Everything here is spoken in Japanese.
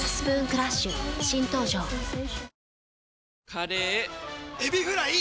カレーエビフライ！